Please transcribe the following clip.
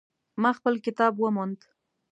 ما خپل کتاب وموند